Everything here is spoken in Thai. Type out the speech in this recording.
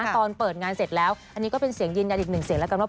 ตอนเปิดงานเสร็จแล้วอันนี้ก็เป็นเสียงยืนยันอีกหนึ่งเสียงแล้วกันว่า